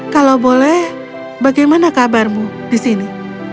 kalau boleh bagaimana kabarmu di sini